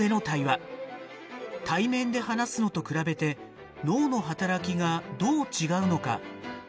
対面で話すのと比べて脳の働きがどう違うのか。